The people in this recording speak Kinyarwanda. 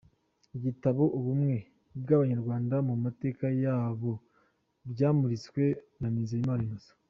Igitabo Ubumwe bw’abanyarwanda mu mateka yabo cyamuritswe na Nizeyimana Innocent.